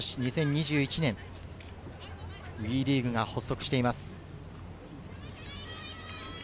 今年、ＷＥリーグが発足しています。